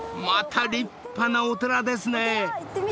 ［また立派なお寺ですね］